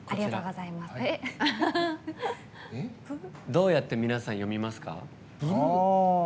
どうやって皆さん読みますか？